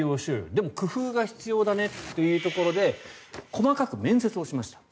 でも工夫が必要だねというところで細かく面接をしました。